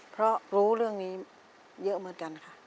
เพราะรู้เรื่องนี้เยอะเหมือนกันค่ะ